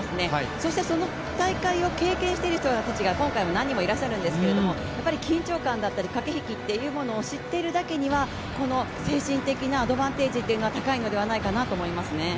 そしてその大会を経験している人たちが今回も何人もいらっしゃるんですけど緊張感だったり、駆け引きを知っているだけに、この精神的なアドバンテージは高いのではないかと思いますね。